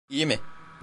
İyi mi?